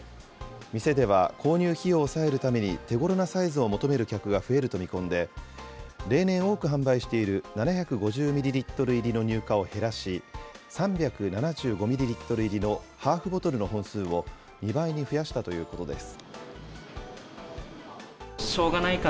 店では購入費用を抑えるために手ごろなサイズを求める客が増えると見込んで、例年、多く販売している７５０ミリリットル入りの入荷を減らし、３７５ミリリットル入りのハーフボトルの本数を２倍に増やしたということです。